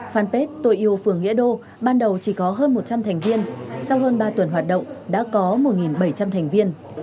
fanpage tôi yêu phường nghĩa đô ban đầu chỉ có hơn một trăm linh thành viên sau hơn ba tuần hoạt động đã có một bảy trăm linh thành viên